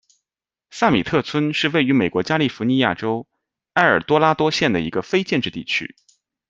萨米特村是位于美国加利福尼亚州埃尔多拉多县的一个非建制地区。